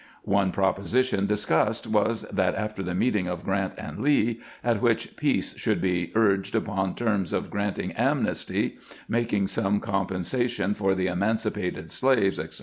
One proposition discussed was that after the meeting of Grant and Lee, at which peace should be urged upon terms of granting amnesty, making some compensation for the emancipated slaves, etc.